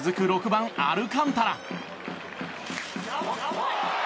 ６番、アルカンタラ。